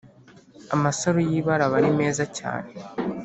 Amasaro y ibara aba ri meza cyane